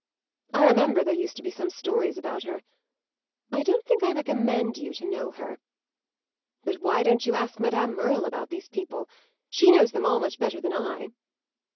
I remember there used to be some stories about her. I don't think I recommend you to know her. But why don't you ask Madame Merle about these people? She knows them all much better than I."